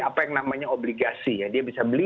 apa yang namanya obligasi ya dia bisa beli